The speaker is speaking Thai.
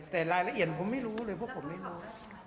แต่รายละเอียดผมไม่รู้เลยพวกผมไม่รู้